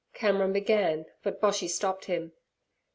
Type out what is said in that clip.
Cameron began, but Boshy stopped him.